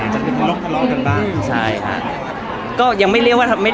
อเจมส์ออกไว้กับท่านเดิม